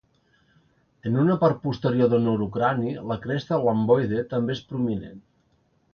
En una part posterior del neurocrani, la cresta lambdoide també és prominent.